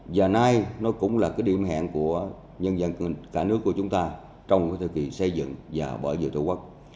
và nay nó cũng là cái điểm hẹn của nhân dân cả nước của chúng ta trong cái thời kỳ xây dựng và bảo vệ tổ quốc